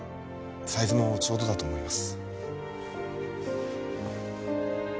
サイズもちょうどだと思います